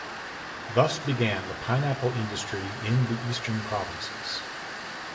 Thus began the pineapple industry in the eastern provinces.